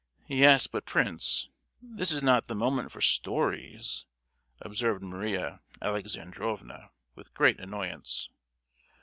"Yes; but, Prince, this is not the moment for stories!" observed Maria Alexandrovna, with great annoyance.